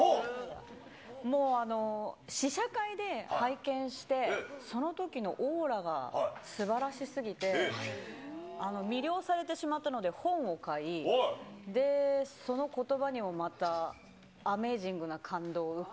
もう、試写会で拝見して、そのときのオーラがすばらしすぎて、魅了されてしまったので本を買い、で、そのことばにもまたアメージングな感動を受け。